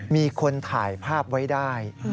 มีคนถ่ายภาพไว้ได้